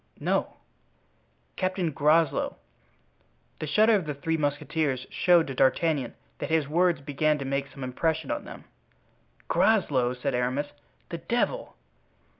"No." "Captain Groslow." The shudder of the three musketeers showed to D'Artagnan that his words began to make some impression on them. "Groslow!" said Aramis; "the devil!